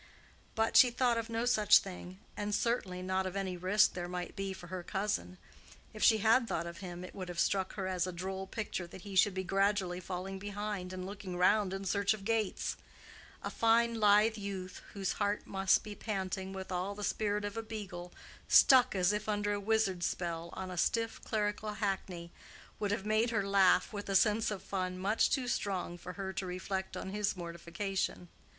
But she thought of no such thing, and certainly not of any risk there might be for her cousin. If she had thought of him, it would have struck her as a droll picture that he should be gradually falling behind, and looking round in search of gates: a fine lithe youth, whose heart must be panting with all the spirit of a beagle, stuck as if under a wizard's spell on a stiff clerical hackney, would have made her laugh with a sense of fun much too strong for her to reflect on his mortification.